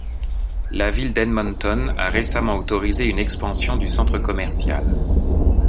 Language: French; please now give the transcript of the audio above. La ville d'Edmonton a récemment autorisé une expansion du centre commercial.